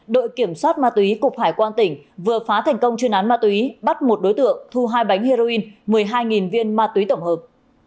đội kiểm soát ma túy cục hải quan tỉnh vừa phá thành công chuyên án ma túy bắt một đối tượng thu hai bánh heroin một mươi hai viên ma túy tổng hợp